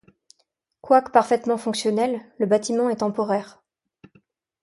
Quoique parfaitement fonctionnel, le bâtiment est temporaire.